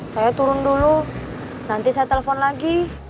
saya turun dulu nanti saya telepon lagi